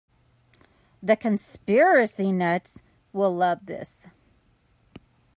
The conspiracy nuts will love this.